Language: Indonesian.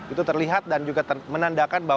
itu terlihat dan juga menandakan